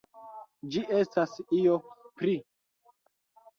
Ĝi estas io pli.